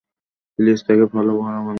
Please তাকে follow করা বন্ধ করুন।